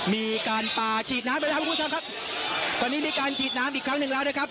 มีการปลาฉีดน้ำไปแล้วครับคุณผู้ชมครับตอนนี้มีการฉีดน้ำอีกครั้งหนึ่งแล้วนะครับ